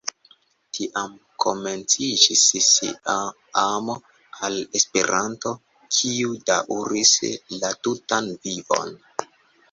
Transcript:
Tiam komenciĝis ŝia amo al Esperanto, kiu daŭris la tutan vivon.